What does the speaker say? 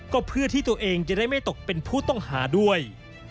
ก็เพื่อที่ตัวเองจะได้ไม่ตกเป็นผู้ต้องหาด้วย